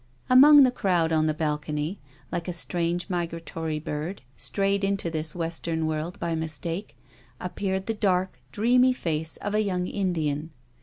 Among the crowd on the balcony, like a strange migratory bird, strayed into this Western world by mistake, appeared the dark, dreamy face of a young Indian.